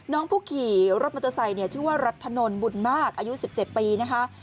ผู้ขี่รถมอเตอร์ไซค์ชื่อว่ารัฐนนท์บุญมากอายุ๑๗ปีนะคะ